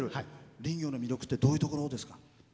林業の魅力ってどういうところですか？